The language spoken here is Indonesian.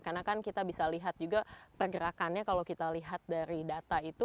karena kan kita bisa lihat juga pergerakannya kalau kita lihat dari data itu